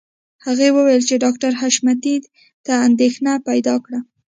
هغې وویل چې ډاکټر حشمتي ته اندېښنه پیدا کړه